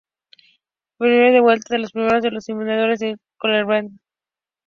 Prieur-Duvernois fue uno de los fundadores del "École Polytechnique.